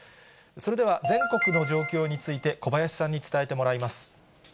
それでは全国の状況について、小林さんに伝えてもらいます。